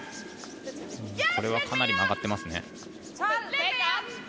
これはかなり曲がっていますね。